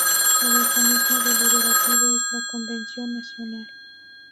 El organismo deliberativo es la Convención Nacional.